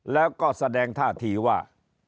แล้วก็แสดงท่าทีว่า